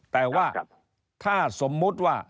แต่ว่าถ้าสมมุติว่า